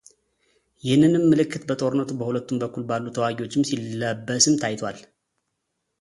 ይህንንም ምልክት በጦርነቱ በሁለቱም በኩል ባሉ ተዋጊዎችም ሲለበስም ታይቷል።